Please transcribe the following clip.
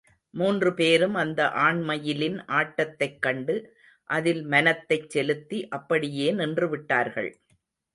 மூன்று பேரும் அந்த ஆண்மயிலின் ஆட்டத்தைக் கண்டு, அதில் மனத்தைச் செலுத்தி, அப்படியே நின்றுவிட்டார்கள்.